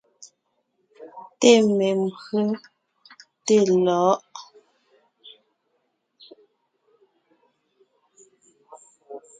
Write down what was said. Té membÿe, té lɔ̌ʼ.